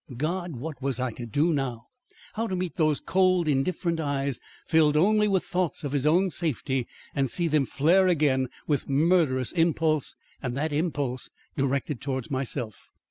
God! what was I to do now! How meet those cold, indifferent eyes filled only with thoughts of his own safety and see them flare again with murderous impulse and that impulse directed towards myself!